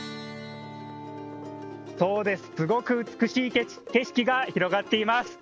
すごく美しい景色が広がっています。